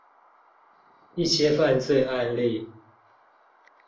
一些犯罪案例